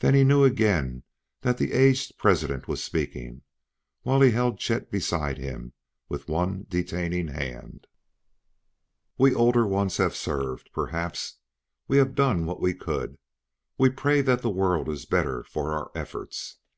Then he knew again that the aged President was speaking, while he held Chet beside him with one detaining hand. "We older ones have served, perhaps; we have done what we could; we pray that the world is better for our efforts!